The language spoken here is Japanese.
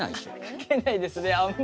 かけないですねあんまり。